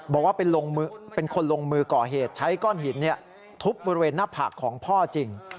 บอกว่าเป็นคนลงมือก่อเหตุใช้ก้อนหินทุบบริเวณหน้าผากของพ่อจริง